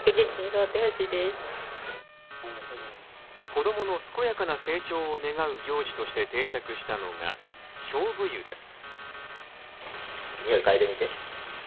子供の健やかな成長を願う行事として定着したのが、菖蒲湯です。